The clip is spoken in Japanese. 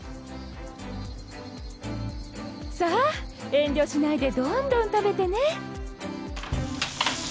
さあ遠慮しないでどんどん食べてね。